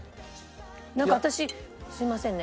なんか私すいませんね